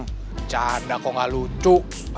bercanda kok gak lucu